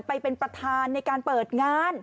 ไปเป็นประธานในการเปิดงาน